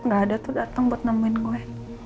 gak ada tuh datang buat nemuin gue